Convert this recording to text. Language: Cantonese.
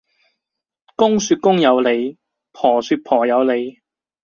公說公有理，婆說婆有理